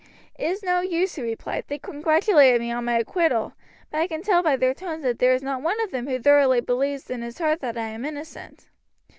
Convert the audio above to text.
"It is no use," he replied. "They congratulated me on my acquittal, but I can tell by their tones that there is not one of them who thoroughly believes in his heart that I am innocent."